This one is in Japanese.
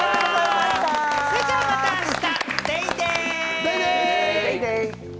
それではまた明日、デイデイ！